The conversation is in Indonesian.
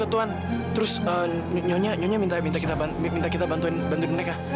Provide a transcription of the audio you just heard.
terus nyonya minta kita bantuin mereka